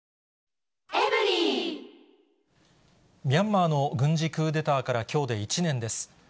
ミャンマーの軍事クーデターからきょうで１年です。